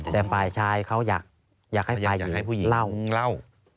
แต่ฝ่ายชายเขาอยากให้ฝ่ายหญิงเล่า